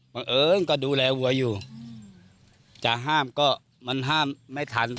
บังเอิญก็ดูแลวัวอยู่จะห้ามก็มันห้ามไม่ทัน